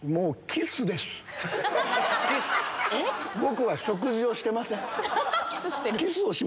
僕は食事をしてません。